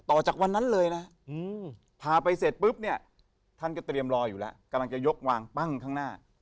จากวันนั้นเลยนะพาไปเสร็จปุ๊บเนี่ยท่านก็เตรียมรออยู่แล้วกำลังจะยกวางปั้งข้างหน้า